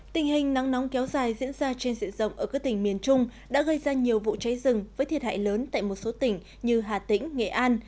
tình hình nắng nóng kéo dài diễn ra trên diện rộng ở các tỉnh miền trung đã gây ra nhiều vụ cháy rừng với thiệt hại lớn tại một số tỉnh như hà tĩnh nghệ an